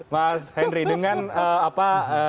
mas henry dengan apa